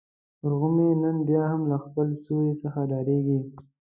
ورغومی نن بيا هم له خپل سیوري څخه ډارېږي.